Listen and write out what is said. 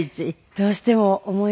どうしても思いますね。